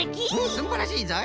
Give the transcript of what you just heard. すんばらしいぞい。